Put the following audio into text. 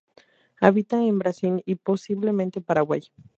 Habita en Brasil y posiblemente Paraguay.